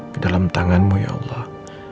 kedalam tanganmu ya allah